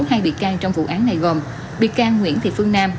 hai bị can trong vụ án này gồm bị can nguyễn thị phương nam